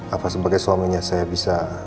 apa sebagai suaminya saya bisa